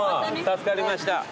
助かりました。